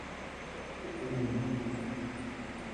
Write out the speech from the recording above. To je velmi znepokojující.